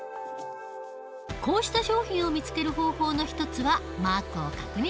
こうした商品を見つける方法の一つはマークを確認する事。